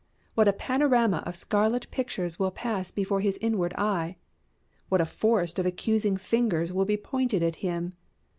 What a panorama of scarlet pictures will pass before his inward eye! What a forest of accusing fingers will be pointed at him!